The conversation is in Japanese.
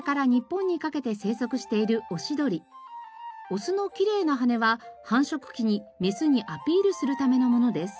オスのきれいな羽は繁殖期にメスにアピールするためのものです。